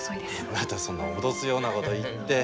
またそんな脅すようなごど言って。